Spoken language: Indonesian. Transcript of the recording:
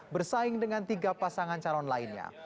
bersaing dengan tiga pasangan calon lainnya